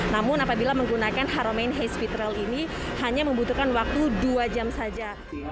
namun apabila menggunakan haramain high speed rail ini hanya membutuhkan waktu dua jam saja